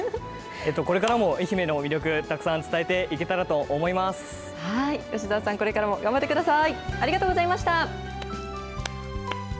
これからも愛媛の魅力、たくさん吉澤さん、これからも頑張ってください。